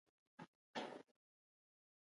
غوټه په خوله مه خلاصوی